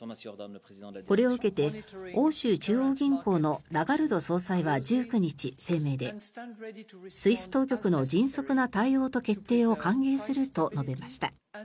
これを受けて欧州中央銀行のラガルド総裁は１９日、声明でスイス当局の迅速な対応と決定を歓迎すると述べました。